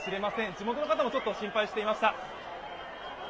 地元の方もちょっと心配していました。